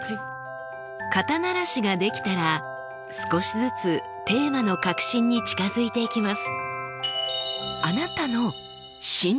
肩慣らしができたら少しずつテーマの核心に近づいていきます。